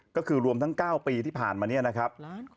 ก็คือรวมทั้ง๙ปีที่ผ่านมาเนี่ยนะครับ